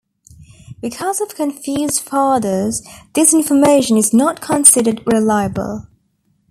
Because of confused fathers, this information is not considered reliable.